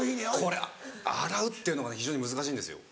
これ洗うっていうのが非常に難しいんですよ。